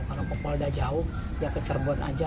kalau ke polda jauh ya ke cirebon aja